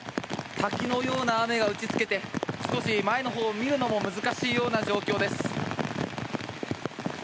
滝のような雨が打ちつけて少し前のほうを見るのも難しいような状況です。